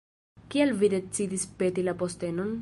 Kial vi decidis peti la postenon?